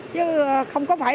chứ không có phải là